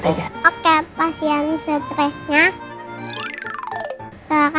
ada es truk